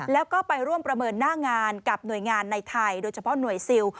แล้วก็ไปร่วมประเมินหน้างานกับหน่วยงานในไทยโดยเฉพาะหน่วยซิล